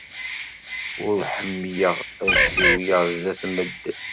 Ur ḥemmleɣ ad ssiwleɣ sdat medden.